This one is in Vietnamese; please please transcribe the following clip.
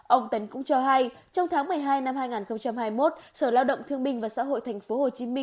ông tấn cũng cho hay trong tháng một mươi hai năm hai nghìn hai mươi một sở lao động thương minh và xã hội tp hcm